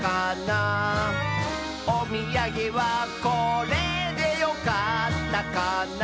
「おみやげはこれでよかったかな」